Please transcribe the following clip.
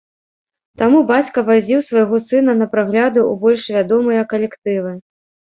Таму бацька вазіў свайго сына на прагляды ў больш вядомыя калектывы.